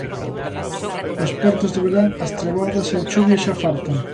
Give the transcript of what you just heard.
Ás portas do verán as treboadas e a chuvia xa fartan.